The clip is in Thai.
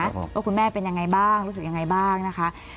ว่าคุณแม่เป็นยังไงบ้างรู้สึกยังไงบ้างนะคะ